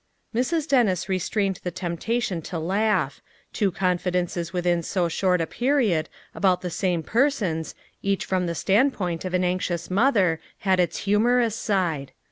Mrs. Dennis restrained the temptation to laugh; two confidences within so short a period, about the same persons, each from the stand point of an anxious mother, had its humorous side.